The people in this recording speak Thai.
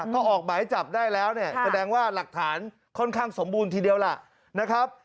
ก็ออกหมายจับได้แล้วเนี่ยแสดงว่าหลักฐานค่อนข้างสมบูรณ์ทีเดียวล่ะนะครับ